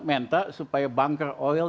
mentak supaya bunker oil